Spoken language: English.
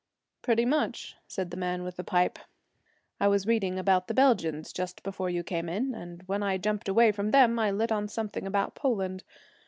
'Pretty much,' said the man with the pipe. 'I was reading about the Belgians just before you came in, and when I jumped away from them I lit on some things about Poland.